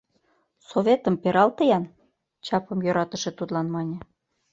— Советым пералте-ян, — чапым йӧратыше тудлан мане.